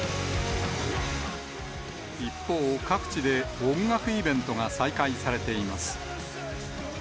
一方、各地で音楽イベントが再開されています。